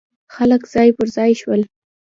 خلک ځای پر ځای شول.